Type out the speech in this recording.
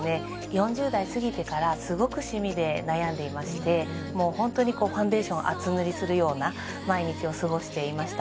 ４０代過ぎてからすごくシミで悩んでいましてもうホントにこうファンデーションを厚塗りするような毎日を過ごしていました